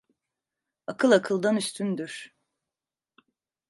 Akıl akıldan üstündür.